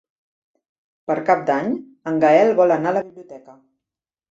Per Cap d'Any en Gaël vol anar a la biblioteca.